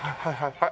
はい。